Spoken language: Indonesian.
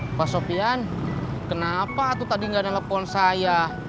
mbak sofian kenapa tadi gak nelfon saya